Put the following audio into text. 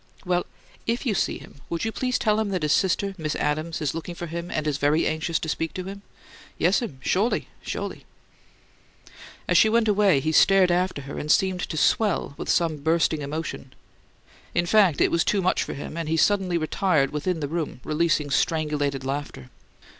"Well, if you see him, would you please tell him that his sister, Miss Adams, is looking for him and very anxious to speak to him?" "Yes'm. Sho'ly, sho'ly!" As she went away he stared after her and seemed to swell with some bursting emotion. In fact, it was too much for him, and he suddenly retired within the room, releasing strangulated laughter.